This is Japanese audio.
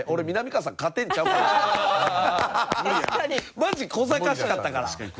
マジこざかしかったから。